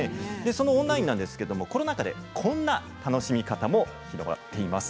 そのオンラインですがコロナ禍で、こんな楽しみ方も広まっています。